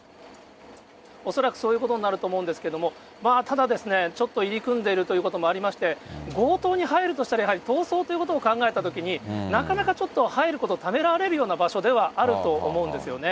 恐らくそういうことになると思うんですけども、ただ、ちょっと入り組んでるということもありまして、強盗に入るとしたら、やはり逃走ということを考えたときに、なかなかちょっと入ること、ためらわれるような場所ではあると思うんですよね。